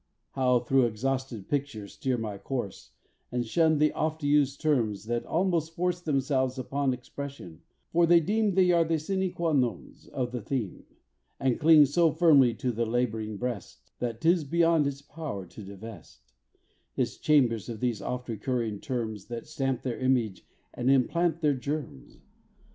How through exhausted pictures steer my course, And shun the oft used terms that almost force Themselves upon expression, for they deem They are the sine qua nons of the theme, And cling so firmly in the lab'ring breast, That 'tis beyond its power to divest Its chambers of these oft recurring terms, That stamp their image and implant their germs.